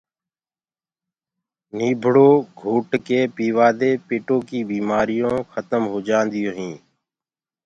نيٚڀڙو گھوٽ ڪي پيوآ دي پيٽو ڪيٚ بيمآريونٚ کتم هوجآنٚديونٚ هينٚ